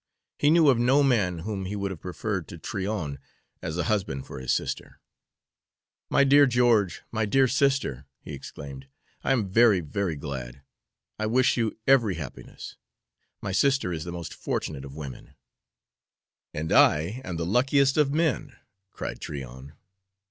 He knew of no man whom he would have preferred to Tryon as a husband for his sister. "My dear George my dear sister," he exclaimed, "I am very, very glad. I wish you every happiness. My sister is the most fortunate of women." "And I am the luckiest of men," cried Tryon.